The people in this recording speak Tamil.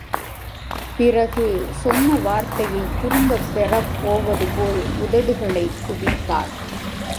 பிறகு, சொன்ன வார்த்தையை திரும்பப் பெறப் போவதுபோல், உதடுகளைக் குவித்தாள்.